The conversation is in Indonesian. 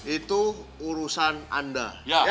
itu urusan anda